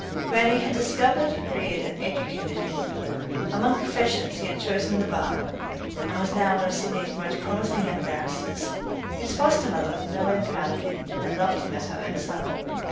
Grannie had discovered, reared, and educated him. Among professions he had chosen the bar, and was now one of Sydney's most promising young barristers. His foster mother was no end proud of him, and loved him as her own son.